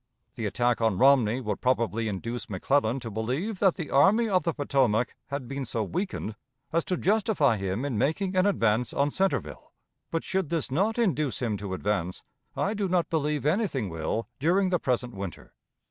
The attack on Romney would probably induce McClellan to believe that the Army of the Potomac had been so weakened as to justify him in making an advance on Centreville; but, should this not induce him to advance, I do not believe anything will during the present winter.